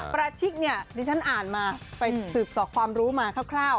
ประชิกเนี่ยดิฉันอ่านมาไปสืบสอกความรู้มาคร่าว